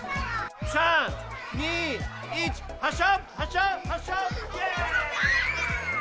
３、２、１、発射！